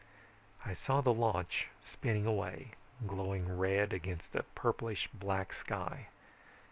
"I saw the launch spinning away, glowing red against a purplish black sky.